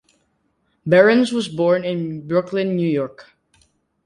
Behrens was born in Brooklyn, New York.